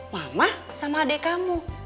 mama sama adek kamu